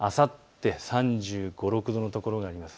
あさって３６度の所があります。